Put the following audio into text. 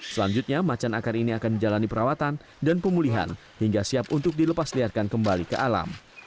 selanjutnya macan akar ini akan menjalani perawatan dan pemulihan hingga siap untuk dilepasliarkan kembali ke alam